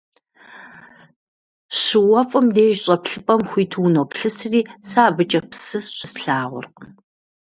ЩыуэфӀым деж щӀэплъыпӀэм хуиту уноплъысри, сэ абыкӀэ псы щыслъагъуркъым.